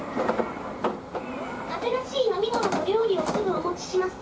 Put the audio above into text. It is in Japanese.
新しい飲み物と料理をすぐお持ちします。